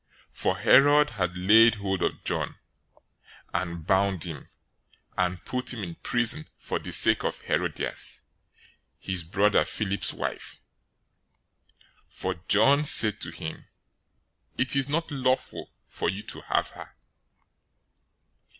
014:003 For Herod had laid hold of John, and bound him, and put him in prison for the sake of Herodias, his brother Philip's wife. 014:004 For John said to him, "It is not lawful for you to have her."